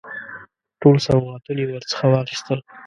ټول سوغاتونه یې ورڅخه واخیستل.